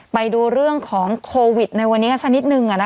ไปดูเรื่องของโควิดในวันนี้กันสักนิดนึง